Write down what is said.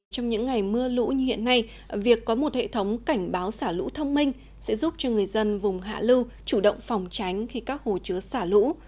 trong những ngày mưa lũ như hiện nay việc có một hệ thống cảnh báo xả lũ thông minh sẽ giúp cho người dân vùng hạ lưu chủ động phòng tránh khi các hồ chứa xả lũ